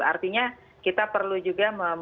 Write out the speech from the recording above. artinya kita perlu juga